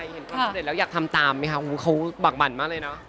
เห็นความสำเร็จแล้วอยากทำตามไหมคะเขาบักบั่นมากเลยเนอะ